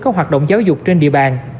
các hoạt động giáo dục trên địa bàn